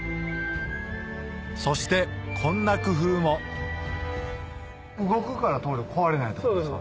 そしてこんな工夫も動くから棟梁壊れないってことですか？